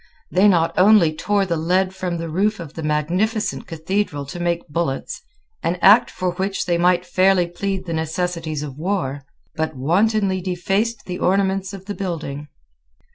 They not only tore the lead from the roof of the magnificent Cathedral to make bullets, an act for which they might fairly plead the necessities of war, but wantonly defaced the ornaments of the building.